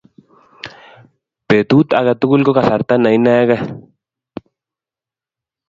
Petut age tugul ko kasarta ne inegei